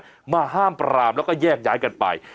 ผู้ใหญ่เท่านั้นมาห้ามปรามแล้วก็แยกย้ายกันไป